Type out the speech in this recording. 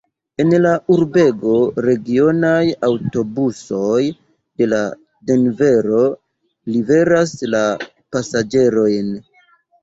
En la urbego regionaj aŭtobusoj de Denvero liveras la pasaĝerojn.